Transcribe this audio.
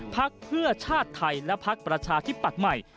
พักเพื่อชาติไทยและพักประชาธิปัตย์ใหม่